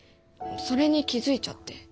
それに気付いちゃって。